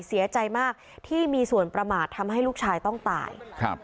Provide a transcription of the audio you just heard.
เสียใจมากที่มีส่วนประมาททำให้ลูกชายต้องตายครับ